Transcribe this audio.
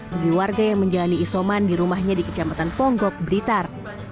bagi warga yang menjalani isoman di rumahnya di kecamatan ponggok blitar